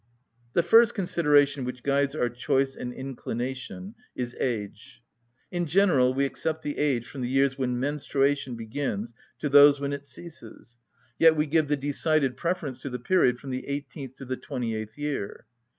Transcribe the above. The first consideration which guides our choice and inclination is age. In general we accept the age from the years when menstruation begins to those when it ceases, yet we give the decided preference to the period from the eighteenth to the twenty‐eighth year.